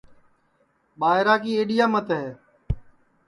ٻائیرا کی ایڈِؔیا مت ہے